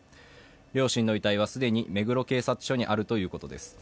両親の遺体は既に目黒警察署にあるということです。